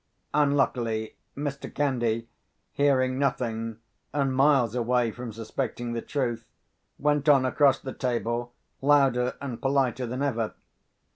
Unluckily Mr. Candy, hearing nothing, and miles away from suspecting the truth, went on across the table louder and politer than ever.